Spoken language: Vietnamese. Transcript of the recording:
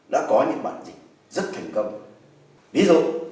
đã có những bản dịch rất thành công